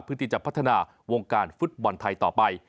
เพื่อที่จะพัฒนาวงการฟุตบอลไทยต่อไป